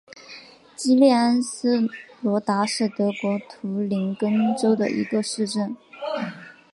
基利安斯罗达是德国图林根州的一个市镇。